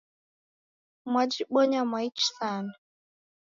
Mwajibonya mwaichi sana.